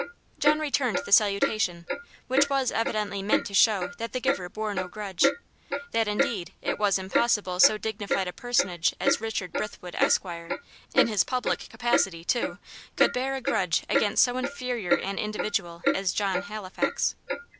John returned the salutation, which was evidently meant to show that the giver bore no grudge; that, indeed, it was impossible so dignified a personage as Richard Brithwood, Esquire, in his public capacity, too, could bear a grudge against so inferior an individual as John Halifax.